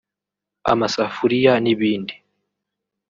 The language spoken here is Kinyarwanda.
amasafuriya n’ibindi